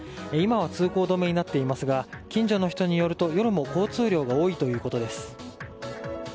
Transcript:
今は通行止めになっていますが近所の人によると夜も交通量が多いということです。